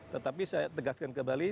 tetapi saya tegaskan kembali